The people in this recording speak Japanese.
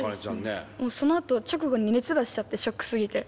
もうそのあと直後に熱出しちゃってショックすぎて。